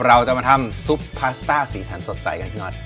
เราจะมาทำซุปพาสต้าสีสันสดใสกันพี่น็อต